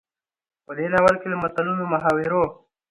په دې ناول کې له متلونو، محاورو،